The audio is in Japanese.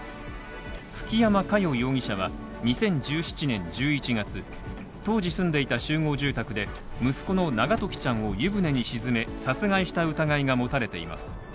久木山佳代容疑者は２０１１年１１月、当時住んでいた集合住宅で息子の永時ちゃんを湯船に沈め殺害した疑いが持たれています